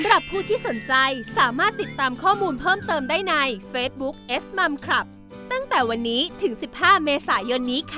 หลับดีสมองวัย